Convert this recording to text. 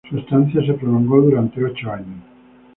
Su estancia se prolongó durante ocho años.